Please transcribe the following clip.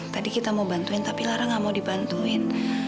tadi kita mau bantuin tapi lara enggak mau dibantuin